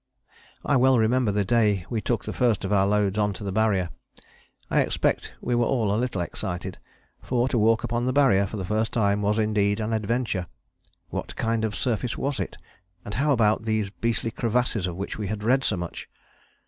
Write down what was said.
I well remember the day we took the first of our loads on to the Barrier. I expect we were all a little excited, for to walk upon the Barrier for the first time was indeed an adventure: what kind of surface was it, and how about these beastly crevasses of which we had read so much?